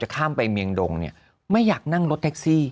ข้ามไปเมียงดงเนี่ยไม่อยากนั่งรถแท็กซี่